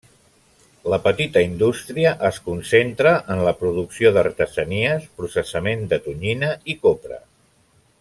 La petita indústria es concentra en la producció d'artesanies, processament de tonyina i copra.